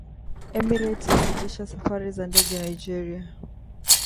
Emirates yasitisha safari za ndege Nigeria